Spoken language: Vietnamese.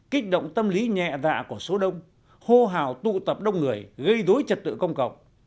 kích động tâm lý nhẹ vạ của số đông hô hào tụ tập đông người gây dối trật tự công cộng